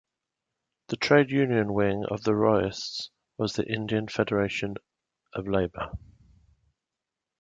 The trade union wing of the Royists was the Indian Federation of Labour.